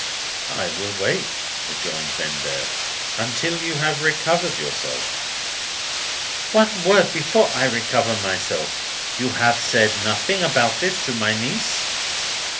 "I will wait," rejoined Vendale, "until you have recovered yourself." "One word before I recover myself. You have said nothing about this to my niece?"